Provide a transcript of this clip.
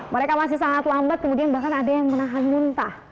mereka masih sangat lambat kemudian bahkan ada yang menahan muntah